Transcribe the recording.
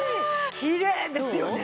きれいですよね。